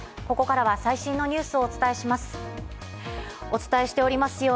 ここからは最新のニュースをお伝えします。